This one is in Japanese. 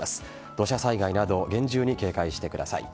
土砂災害など厳重に警戒してください。